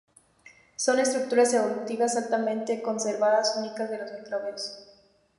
Son estructuras evolutivas altamente conservadas únicas de los microbios.